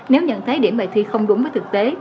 nếu nhận thấy điểm bài thi không đúng với thực tế